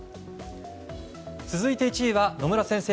続いて１位は野村先生